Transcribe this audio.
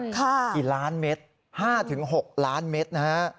กี่ล้านเมตร๕๖ล้านเมตรนะฮะ